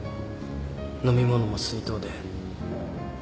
飲み物も水筒で。